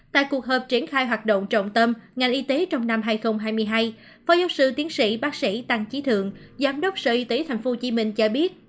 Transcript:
tại cuộc họp triển khai hoạt động trọng tâm ngành y tế trong năm hai nghìn hai mươi hai phó giáo sư tiến sĩ bác sĩ tăng trí thượng giám đốc sở y tế tp hcm cho biết